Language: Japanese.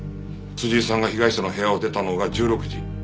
井さんが被害者の部屋を出たのが１６時。